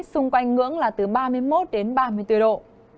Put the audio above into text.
xung quanh ngưỡng là từ ba mươi một đến ba mươi bốn độ